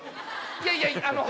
いやいやあの。